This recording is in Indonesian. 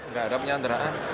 nggak ada penyanderaan